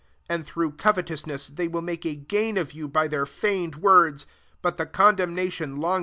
3 j^nd through covetousness they will make a gain of you by their feigned words : but the condem nation^ long si?